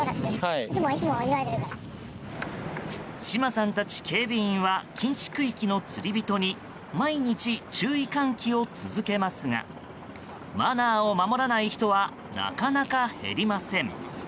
島さんたち警備員は禁止区域の釣り人に毎日、注意喚起を続けますがマナーを守らない人はなかなか減りません。